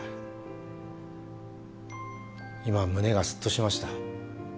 今胸がスッとしました。